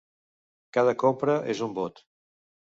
Cada compra és un vot.